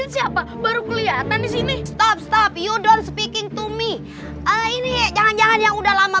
siapa baru kelihatan di sini stop stop you don't speaking to me ini jangan jangan yang udah lama